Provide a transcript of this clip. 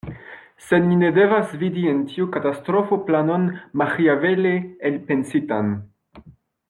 Sed ni ne devas vidi en tiu katastrofo planon maĥiavele elpensitan.